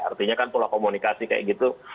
artinya kan pola komunikasi kayak gitu